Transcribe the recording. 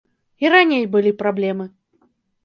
І раней былі праблемы.